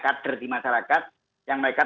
kader di masyarakat yang mereka